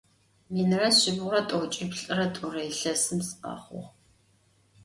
Minre şsibğure t'oç'iplh're t'ure yilhesım sıkhexhuğ.